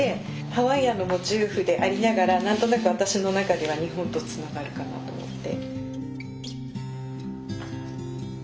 ハワイアンのモチーフでありながら何となく私の中では日本とつながるかなと思って。